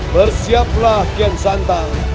bersiaplah kian santang